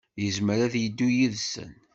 Yezmer ad yeddu yid-sen.